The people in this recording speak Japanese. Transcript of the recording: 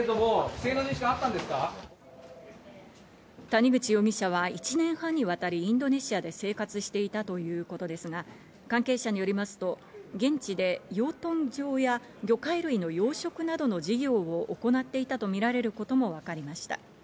谷口容疑者は１年半にわたりインドネシアで生活していたということですが、関係者によりますと、現地で養豚場や魚介類の養殖などの事業を行っていたとみられることもわかりました。